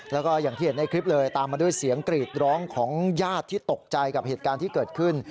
แล้วก็อย่างที่เห็นในคลิปเลยตามมาด้วยเสียงกรีดร้องของญาติที่ตกใจกับเหตุการณ์ที่เกิดขึ้น